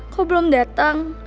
kok belum datang